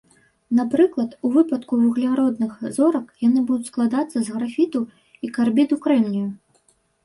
Напрыклад, у выпадку вугляродных зорак, яны будуць складацца з графіту і карбіду крэмнію.